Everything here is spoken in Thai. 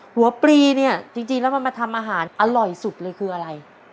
ปรีเนี่ยจริงแล้วมันมาทำอาหารอร่อยสุดเลยคืออะไร